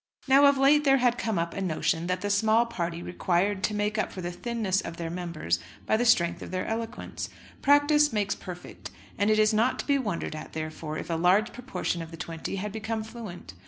Now of late there had come up a notion that the small party required to make up for the thinness of their members by the strength of their eloquence. Practice makes perfect, and it is not to be wondered at therefore if a large proportion of The Twenty had become fluent.